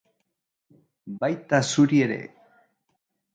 Baita zuri ere!